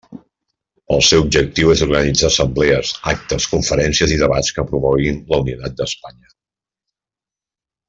El seu objectiu és organitzar assemblees, actes, conferències i debats que promoguin la unitat d'Espanya.